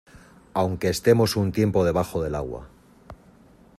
aunque estemos un tiempo debajo del agua